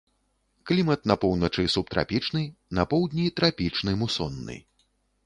Клімат на поўначы субтрапічны, на поўдні трапічны мусонны.